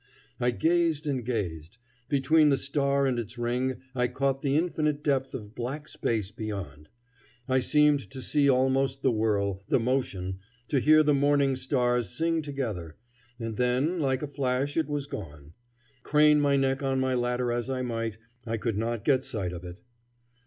I gazed and gazed; between the star and its ring I caught the infinite depth of black space beyond; I seemed to see almost the whirl, the motion; to hear the morning stars sing together and then like a flash it was gone. Crane my neck on my ladder as I might I could not get sight of it.